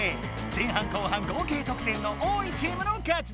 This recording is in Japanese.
前半後半合計とく点の多いチームのかちだ！